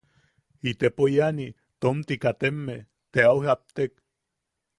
Itepo iani, tomti kateme, te au japtek.